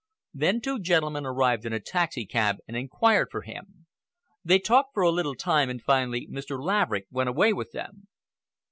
Then two gentle men arrived in a taxicab and inquired for him. They talked for a little time, and finally Mr. Laverick went away with them."